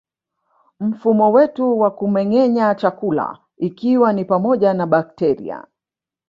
Mfumo wetu wa kumengenya chakula ikiwa ni pamoja na bakteria